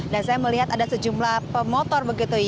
dan saya melihat ada sejumlah pemotor begitu ya